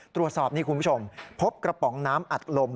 ตรวจสอบนี่คุณผู้ชมพบกระป๋องน้ำอัดลม